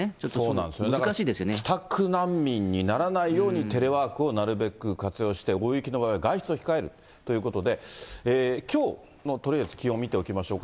だから帰宅難民にならないように、テレワークをなるべく活用して、大雪の場合は外出を控えるということで、きょうのとりあえず気温見ておきましょうか。